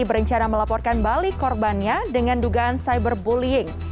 berencana melaporkan balik korbannya dengan dugaan cyberbullying